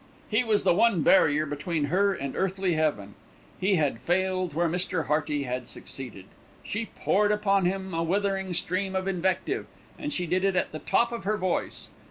He was the one barrier between her and earthly heaven. He had failed where Mr. Hearty had succeeded. She poured upon him a withering stream of invective, and she did it at the top of her voice.